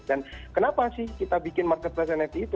dan kenapa sih kita bikin marketplace nft itu